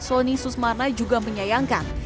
yang mana juga menyayangkan